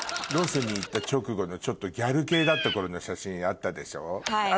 ロスに行った直後のちょっとギャル系だった頃の写真あったでしょ？